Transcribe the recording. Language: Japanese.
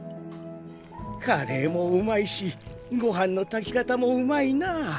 カレーもうまいしごはんの炊き方もうまいなあ。